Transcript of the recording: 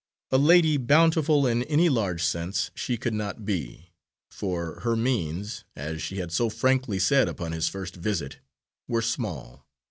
A Lady Bountiful in any large sense she could not be, for her means, as she had so frankly said upon his first visit, were small.